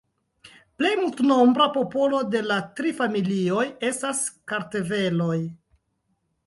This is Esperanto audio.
Plej multnombra popolo de la tri familioj estas kartveloj.